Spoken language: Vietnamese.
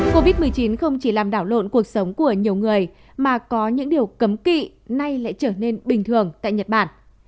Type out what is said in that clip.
covid một mươi chín không chỉ làm đảo lộn cuộc sống của nhiều người mà có những điều cấm kỵ nay lại trở nên bình thường tại nhật bản